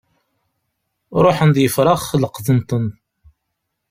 Ṛuḥen-d yefṛax leqḍen-ten.